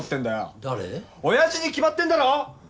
おやじに決まってんだろ！